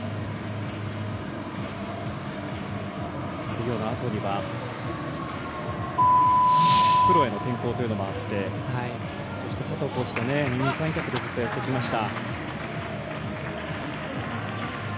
リオのあとにはプロへの転向というのもあってそして、佐藤コーチと二人三脚でずっとやってきました。